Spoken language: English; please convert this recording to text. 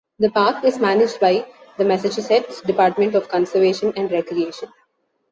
The park is managed by the Massachusetts Department of Conservation and Recreation.